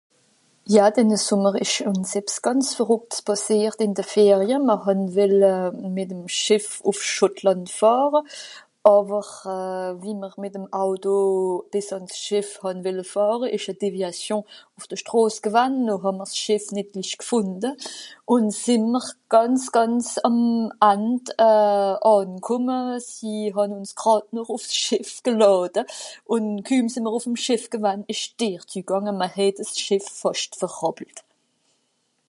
ja denne Sommer esch ùns ebs gànz verruckts pàssiert ìn de Ferie mr hàn welle mìt'em Schìff ùff Schòtlànd fàhre àwer euh wiem'r mìt'em Auto bìs àns Schìff hàn welle fàhre esch à déviation ùff de Schtross gewann no hàm'r s'Schìff nìt glich g'fùnde ùn sìnm'r gànz gànz àm And euh ànkomme sie hàn ùns gràd nòr ùff s'Schìff gelàde ùn kümm sìnm'r ùff'm Schìff gewann esch Deer zu gànge mr hette s'Schìff fàst verhàppelt